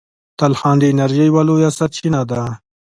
تلخان د انرژۍ یوه لویه سرچینه ده.